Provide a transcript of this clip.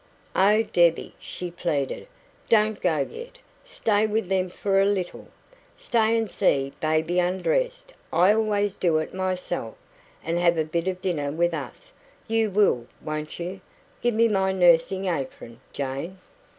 "Oh, Debbie," she pleaded, "DON'T go yet! Stay with them for a little. Stay and see baby undressed I always do it myself and have a bit of dinner with us; you will, won't you? Give me my nursing apron, Jane."